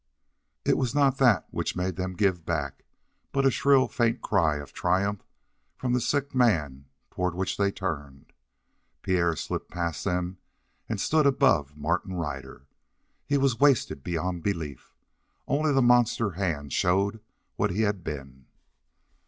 It was not that which made them give back, but a shrill, faint cry of triumph from the sick man toward which they turned. Pierre slipped past them and stood above Martin Ryder. He was wasted beyond belief only the monster hand showed what he had been.